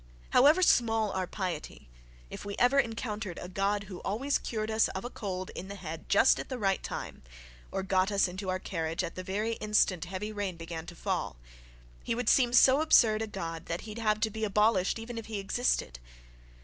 However small our piety, if we ever encountered a god who always cured us of a cold in the head at just the right time, or got us into our carriage at the very instant heavy rain began to fall, he would seem so absurd a god that he'd have to be abolished even if he existed.